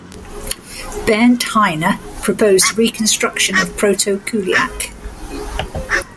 Bernd Heine proposed a reconstruction of Proto-Kuliak.